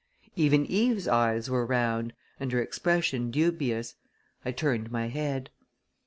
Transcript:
Even Eve's eyes were round and her expression dubious. I turned my head.